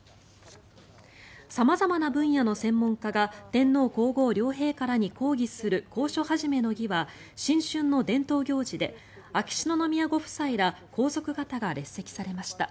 様々な分野の専門家が天皇・皇后両陛下らに講義する講書始の儀は新春の伝統行事で秋篠宮ご夫妻ら皇族方が列席されました。